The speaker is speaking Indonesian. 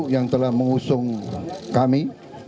yang telah mengusung kami